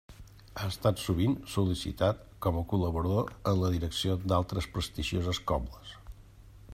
Ha estat sovint sol·licitat com a col·laborador en la direcció d'altres prestigioses cobles.